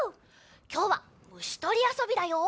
きょうはむしとりあそびだよ！